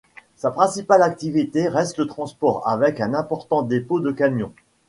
Sa principale activité reste le transport avec un important dépôt de camion.